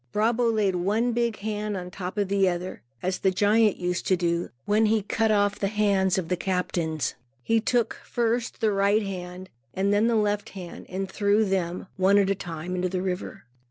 Brabo laid one big hand on top of the other, as the giant used to do, when he cut off the hands of captains. He took first the right hand and then the left hand and threw them, one at a time, into the river.